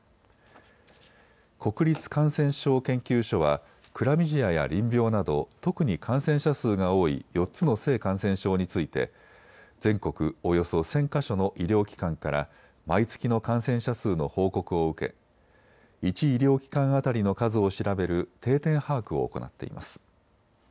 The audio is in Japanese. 国立感染症研究所はクラミジアや淋病など特に感染者数が多い４つの性感染症について全国およそ１０００か所の医療機関から毎月の感染者数の報告を受け１医療機関当たりの数を調べる定点把握を行っています。